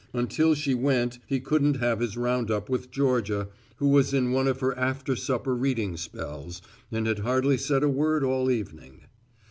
Until she went he couldn't have his round up with Georgia, who was in one of her after supper reading spells and had hardly said a word all evening.